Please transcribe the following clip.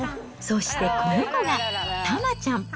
そしてこの子が、タマちゃん。